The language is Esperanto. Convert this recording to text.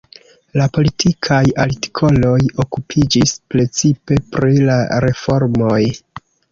La politikaj artikoloj okupiĝis precipe pri la reformoj.